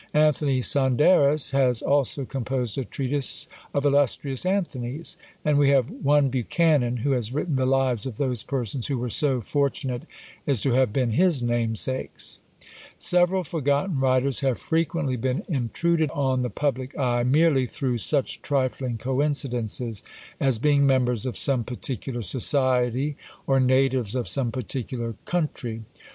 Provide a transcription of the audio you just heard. Anthony Saunderus has also composed a treatise of illustrious Anthonies! And we have one Buchanan, who has written the lives of those persons who were so fortunate as to have been his namesakes. Several forgotten writers have frequently been intruded on the public eye, merely through such trifling coincidences as being members of some particular society, or natives of some particular country.